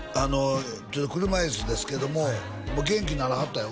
車椅子ですけども元気にならはったよ